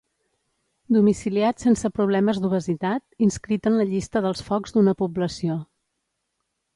Domiciliat sense problemes d'obesitat, inscrit en la llista dels focs d'una població.